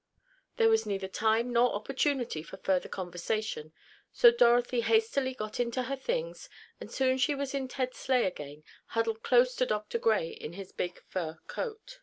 There was neither time nor opportunity for further conversation, so Dorothy hastily got into her things, and soon she was in Ted's sleigh again, huddled close to Dr. Gray in his big, fur coat.